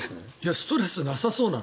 ストレスなさそうなの？